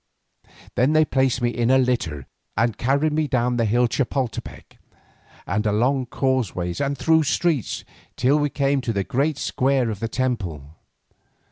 Then they placed me in a litter and carried me down the hill Chapoltepec, and along causeways and through streets, till we came to the great square of the temple.